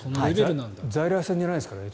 在来線じゃないですからね。